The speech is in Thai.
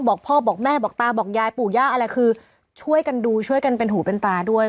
บอกพ่อบอกแม่บอกตาบอกยายปู่ย่าอะไรคือช่วยกันดูช่วยกันเป็นหูเป็นตาด้วย